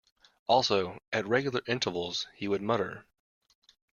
Also, at regular intervals, he would mutter.